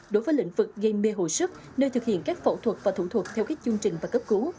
đối với lĩnh vực gây mê hồi sức nơi thực hiện các phẫu thuật và thủ thuật theo các chương trình và cấp cứu